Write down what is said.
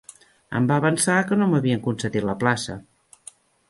Em va avançar que no m'havien concedit la plaça.